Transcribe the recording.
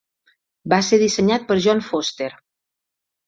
Va ser dissenyat per John Foster.